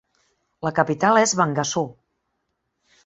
La capital és Bangassou.